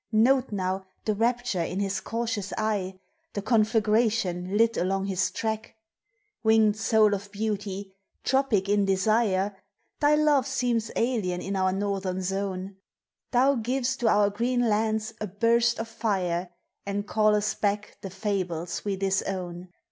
Note now the rapture in his cautious eye, The conflagration lit along his track. Winged soul of beauty, tropic in desire, Thy love seems alien in our northern zone; Thou giv'st to our green lands a burst of fire And callest back the fables we disown.